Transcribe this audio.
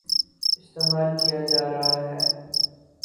استعمال کیا جارہا ہے ۔